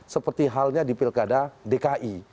seperti halnya di pilkada dki